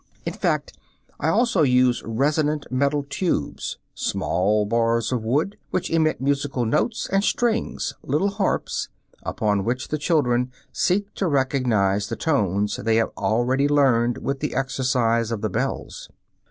In fact, I also use resonant metal tubes, small bars of wood which emit musical notes, and strings (little harps), upon which the children seek to recognize the tones they have already learned with the exercise of the bells.